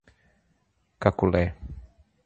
Caculé